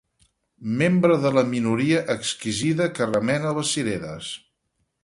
Membre de la minoria exquisida que remena les cireres.